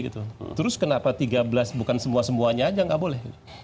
terus kenapa tiga belas bukan semua semuanya aja nggak boleh